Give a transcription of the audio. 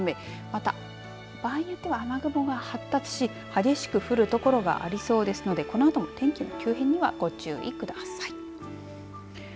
また、場合によっては雨雲が発達し激しく降るところがありそうですのでこのあとの天気の急変にはご注意ください。